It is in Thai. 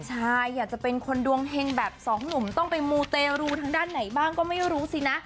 ใช่อยากจะเป็นคนดวงเฮงแบบสองหนุ่มต้องไปมูเตรูทางด้านไหนบ้างก็ไม่รู้สินะ